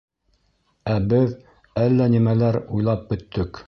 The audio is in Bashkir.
Ә беҙ әллә нимәләр уйлап бөттөк!